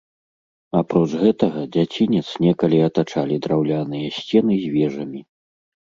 Апроч гэтага, дзяцінец некалі атачалі драўляныя сцены з вежамі.